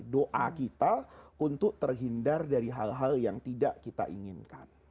doa kita untuk terhindar dari hal hal yang tidak kita inginkan